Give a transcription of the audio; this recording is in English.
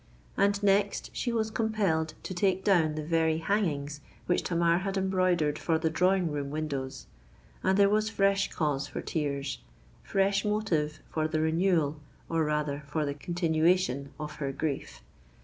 And next she was compelled to take down the very hangings which Tamar had embroidered for the drawing room windows; and there was fresh cause for tears—fresh motive for the renewal, or rather for the continuation of her grief!